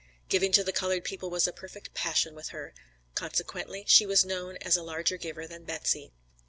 Giving to the colored people was a perfect passion with her; consequently she was known as a larger giver than Betsy.